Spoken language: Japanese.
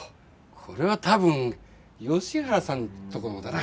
これは多分吉原さんとこのだな。